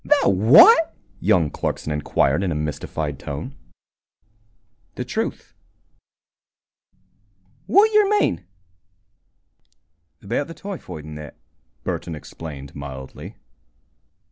"The what?" young Clarkson inquired, in a mystified tone. "The truth," Burton repeated. "Wot yer mean?" "About the typhoid and that," Burton explained, mildly.